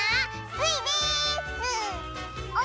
スイです！